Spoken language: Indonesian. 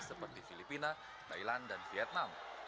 seperti filipina thailand dan vietnam